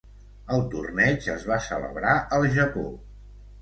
El torneig es va celebrar al Japó.